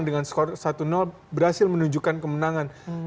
dengan skor satu berhasil menunjukkan kemenangan